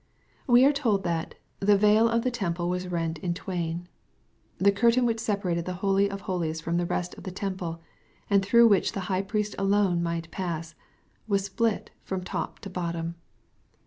We are told that " the veil of the temple was rent in twain.'' The curtain which separated the holy of holies from the rest of the temple, and through which the high priest alone might pass, was split from top to bottom.